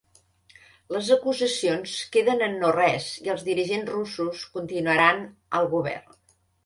Les acusacions queden en no res i els dirigents russos continuaran al govern